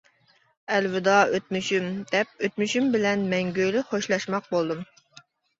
ئەلۋىدا ئۆتمۈشۈم دەپ ئۆتمۈشۈم بىلەن مەڭگۈلۈك خوشلاشماق بولدۇم.